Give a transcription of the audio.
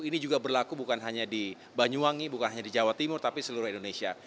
ini juga berlaku bukan hanya di banyuwangi bukan hanya di jawa timur tapi seluruh indonesia